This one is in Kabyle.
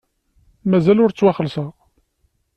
Mazal ur ttwaxelṣeɣ.